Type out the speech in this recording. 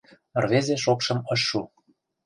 Рвезе шокшым ыш шу.